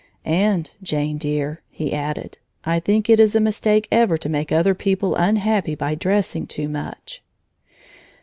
"And, Jane dear," he added, "I think it is a mistake ever to make other people unhappy by dressing too much."